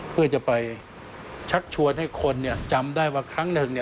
เพื่อจะไปชักชวนให้คนจำได้ว่าครั้งหนึ่ง